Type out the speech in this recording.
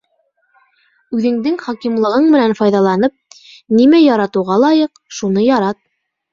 Үҙеңдең хакимлығың менән файҙаланып, нимә яратыуға лайыҡ, шуны ярат.